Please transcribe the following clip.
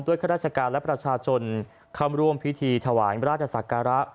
ข้าราชการและประชาชนเข้าร่วมพิธีถวายราชศักระ